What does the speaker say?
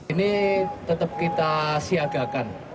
ini tetap kita siagakan